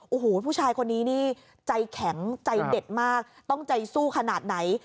โอ้โหผู้ชายคนนี้นี่ใจแข็งใจเด็ดมากต้องใจสู้ขนาดไหน